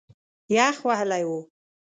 یخ وهلی و.